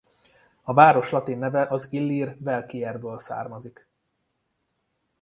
A város latin neve az illír Vel-Kierből származik.